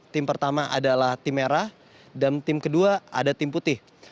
tim pertama adalah tim merah dan tim kedua ada tim putih